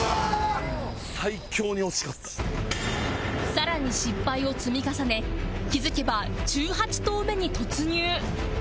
更に失敗を積み重ね気付けば１８投目に突入